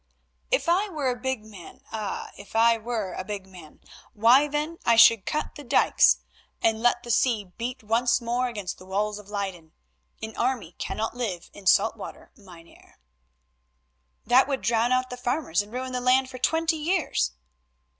"If I were a big man—ah! if I were a big man, why then—I should cut the dykes and let the sea beat once more against the walls of Leyden. An army cannot live in salt water, Mynheer." "That would drown out the farmers and ruin the land for twenty years."